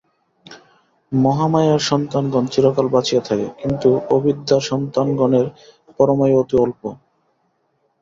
মহামায়ার সন্তানগণ চিরকাল বাঁচিয়া থাকে, কিন্তু অবিদ্যার সন্তানগণের পরমায়ু অতি অল্প।